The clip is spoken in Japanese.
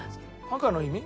赤の意味？